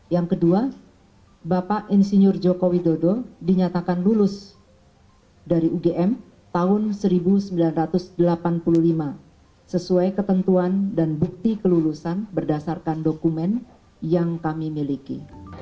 yang kedua bapak insinyur joko widodo dinyatakan lulus dari ugm tahun seribu sembilan ratus delapan puluh lima sesuai ketentuan dan bukti kelulusan berdasarkan dokumen yang kami miliki